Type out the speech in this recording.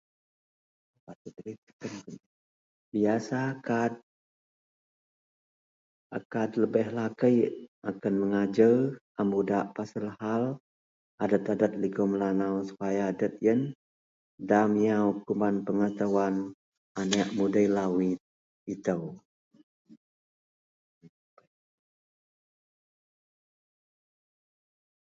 Masaraket lebeh lakei akan mengajar a mudak pasel hal adet-adet liko melanau supaya adet iyen da miyaw kuman pengetahuan anek mudei lau neh ito.